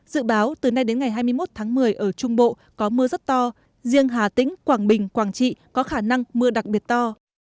dự báo từ nay đến ngày hai mươi một tháng một mươi ở trung bộ có mưa rất to riêng hà tĩnh quảng bình quảng trị có khả năng mưa đặc biệt to